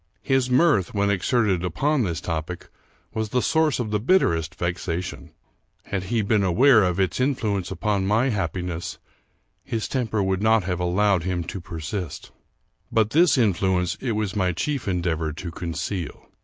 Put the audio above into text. His mirth, when exerted upon this topic, was the source of the bitterest vexation. Had he been aware of its influence upon my happiness, his temper would not have allowed him to persist ; but this influence it was my chief endeavor to con ceal.